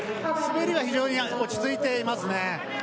滑りは非常に落ち着いてますね。